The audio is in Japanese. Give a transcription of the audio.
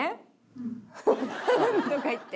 「うん」とか言って。